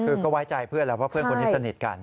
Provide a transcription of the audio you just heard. คือก็ไว้ใจเพื่อนแล้วว่าเพื่อนคนนี้สนิทกัน